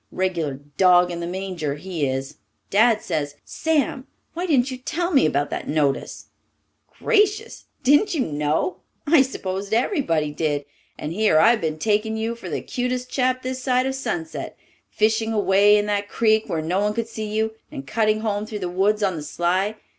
Regular dog in the manger, he is. Dad says " "Sam, why didn't you tell me about that notice?" "Gracious, didn't you know? I s'posed everybody did, and here I've been taking you for the cutest chap this side of sunset fishing away up in that creek where no one could see you, and cutting home through the woods on the sly.